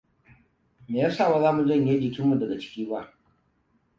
Meyasa baza mu janye jikinmu daga ciki ba?